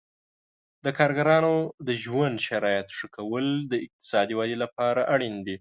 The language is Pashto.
د کارګرانو د ژوند شرایطو ښه کول د اقتصادي ودې لپاره اړین دي.